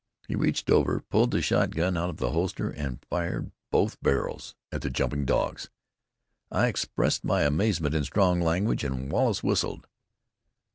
He reached over, pulled the shotgun out of the holster and fired both barrels at the jumping dogs. I expressed my amazement in strong language, and Wallace whistled.